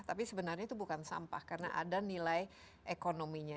tapi sebenarnya itu bukan sampah karena ada nilai ekonominya